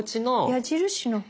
矢印の方？